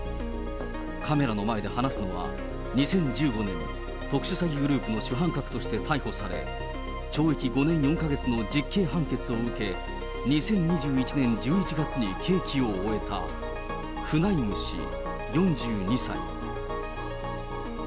カメラの前で話すのは、２０１５年、特殊詐欺グループの主犯格として逮捕され、懲役５年４か月の実刑判決を受け、２０２１年１１月に刑期を終えたフナイム氏４２歳。